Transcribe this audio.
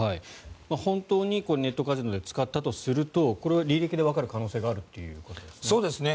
本当にネットカジノで使ったとするとこれは履歴でわかる可能性があるということですか。